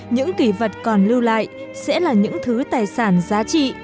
những kỷ vật còn lưu lại sẽ là những thứ tài sản giá trị